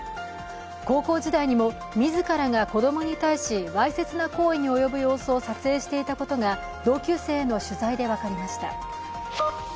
高校時代にも自らが子供に対しわいせつな行為に及ぶ様子を撮影していたことが同級への取材で分かりました。